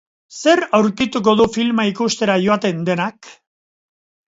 Zer aurkituko du filma ikustera joaten denak?